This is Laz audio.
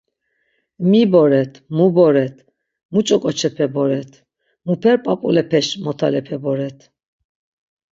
Mi boret, mu boret, muç̌o ǩoçepe boret, muper p̌ap̌ulepeş motalepe boret.